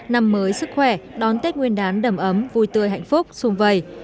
năm mới sức khỏe đón tết nguyên đán đầm ấm vui tươi hạnh phúc sung vầy